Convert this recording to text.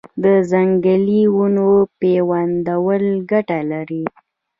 د ځنګلي ونو پیوندول ګټه لري؟